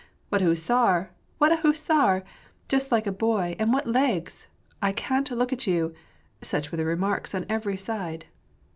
— "What'a hussar!" "What a hussar!" "Just like a boy, and what legs." —" I can't look at you!" — such were the remarks on every side.